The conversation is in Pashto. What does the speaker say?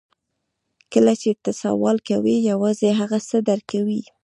کله چې ته سوال کوې یوازې هغه څه درکوي